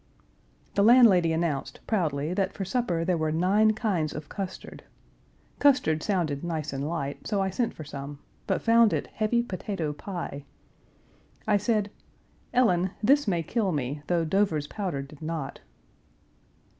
The landlady announced, proudly, that for supper there were nine kinds of custard. Custard sounded nice and light, so I sent for some, but found it heavy potato pie. I said: "Ellen, this may kill me, though Dover's powder did not."